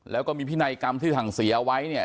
แล้วก็มีพินัยกรรมที่ถังเสียเอาไว้เนี่ย